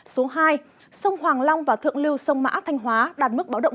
số hai sông hoàng long và thượng lưu sông mã thanh hóa đạt mức báo động hai